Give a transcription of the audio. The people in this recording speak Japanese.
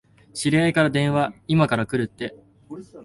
知り合いから電話、いまから来るって。